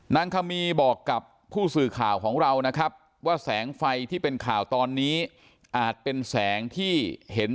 คมีบอกกับผู้สื่อข่าวของเรานะครับว่าแสงไฟที่เป็นข่าวตอนนี้อาจเป็นแสงที่เห็น